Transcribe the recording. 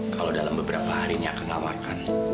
kalau dalam beberapa hari ini akan gak makan